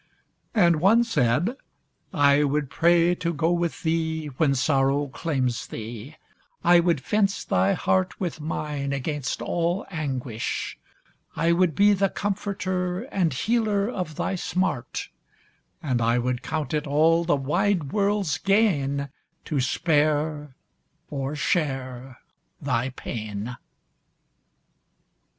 And one said, "I would pray to go with thee When sorrow claims thee; I would fence thy heart With mine against all anguish; I would be The comforter and healer of thy smart; And I would count it all the wide world's gain To spare or share thy pain!"